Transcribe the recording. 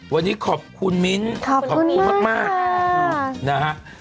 วันนี้ขอบคุณมิ้นขอบคุณมากนะฮะ